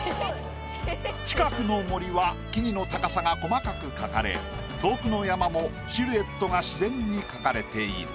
近くの森は木々の高さが細かく描かれ遠くの山もシルエットが自然に描かれている。